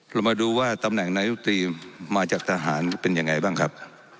เรามาดูว่าตำแหน่งนายุตรีมาจากทหารเป็นยังไงบ้างครับ